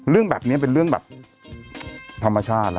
เรื่องแบบนี้เป็นเรื่องแบบธรรมชาตินะ